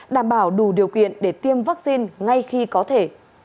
đảm bảo đủ điều kiện để tiêm vaccine ngay khi có thể